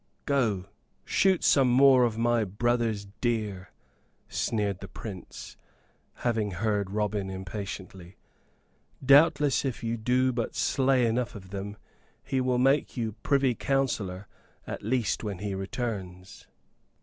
"Go, shoot some more of my brother's deer," sneered the Prince, having heard Robin impatiently. "Doubtless if you do but slay enough of them he will make you Privy Councillor at the least when he returns."